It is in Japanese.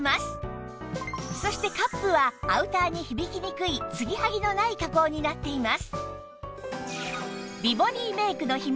そしてカップはアウターに響きにくい継ぎはぎのない加工になっています